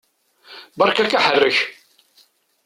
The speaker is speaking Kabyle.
Beṛka-k aḥerrek!